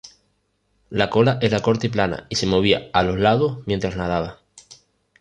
La cola era corta y plana, y se movía a los lados mientras nadaba.